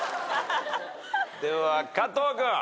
では加藤君。